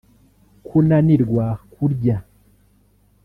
kunanirwa kurya